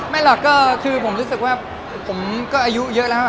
ไม่หรอกก็คือผมรู้สึกว่าผมก็อายุเยอะแล้ว